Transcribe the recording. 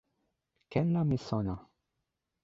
ken la mi sona.